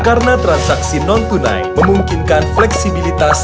karena transaksi non tunai memungkinkan fleksibilitas